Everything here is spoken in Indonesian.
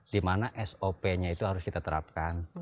dimana sop nya itu harus kita terapkan